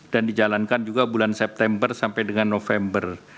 dan dijalankan juga bulan september sampai dengan november